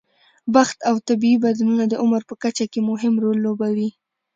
بخت او طبیعي بدلونونه د عمر په کچه کې مهم رول لوبوي.